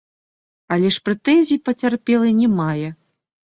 Але ж прэтэнзій пацярпелы не мае.